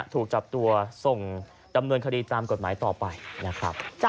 ถูกจับตัวส่งดำเนินคดีตามกฎหมายต่อไปนะครับ